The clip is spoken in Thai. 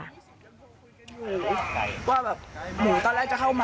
หมูว่าแบบหมูตอนแรกจะเข้ามา